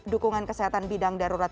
dukungan kesehatan bidang darurat